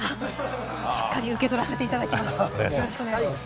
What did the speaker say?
しっかり受け取らせていただきます。